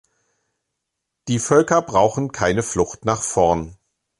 Die Völker brauchen keine Flucht nach vorn.